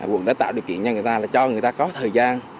quận đã tạo điều kiện cho người ta cho người ta có thời gian